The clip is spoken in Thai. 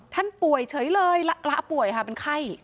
ท่านป่วยเฉยเลยละป่วยค่ะเป็นไข้